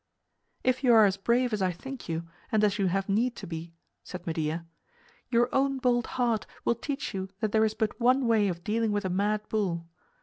"If you are as brave as I think you, and as you have need to be," said Medea, "your own bold heart will teach you that there is but one way of dealing with a mad bull.